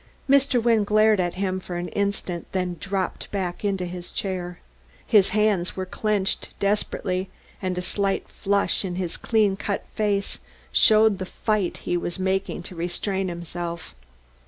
Mr. Wynne glared at him for an instant, then dropped back into his chair. His hands were clenched desperately, and a slight flush in his clean cut face showed the fight he was making to restrain himself.